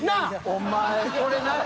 お前。